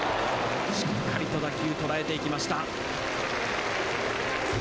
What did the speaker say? しっかりと打球を捉えていきました。